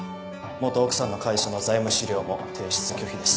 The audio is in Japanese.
元奥さんの会社の財務資料も提出拒否です。